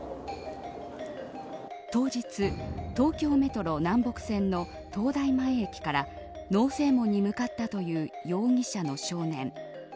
当日、東京メトロ南北線の東大前駅から農正門へ向かったという容疑者の少年。